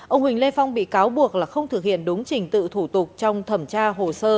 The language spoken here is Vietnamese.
ông huỳnh lê phong bị cáo buộc là không thực hiện đúng trình tự thủ tục trong thẩm tra hồ sơ